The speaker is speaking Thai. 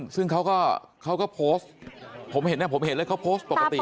ซึ่งเขาก็โพสต์ผมเห็นเลยเขาโพสต์ปกติ